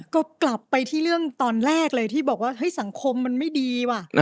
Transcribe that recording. ก็กลับไปที่เรื่องตอนแรกเลยที่บอกว่าเฮ้ยสังคมมันไม่ดีว่ะ